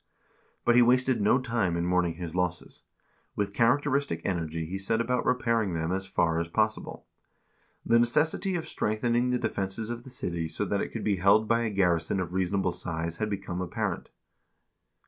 But he wasted no time in mourning his losses; with characteristic energy he set about repairing them as far as possible. The necessity of strengthening the defenses of the city so that it could be held by a garrison of reasonable size had become apparent.